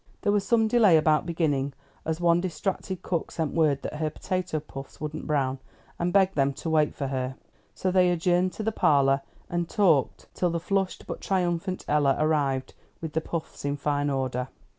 There was some delay about beginning, as one distracted cook sent word that her potato puffs wouldn't brown, and begged them to wait for her. So they adjourned to the parlor, and talked till the flushed, but triumphant Ella arrived with the puffs in fine order.